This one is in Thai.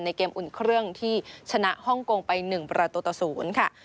เกมอุ่นเครื่องที่ชนะฮ่องกงไป๑ประตูต่อ๐ค่ะ